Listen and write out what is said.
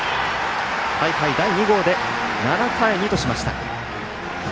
大会第２号で７対２としました。